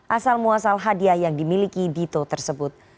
asal muasal hadiah yang dimiliki dito tersebut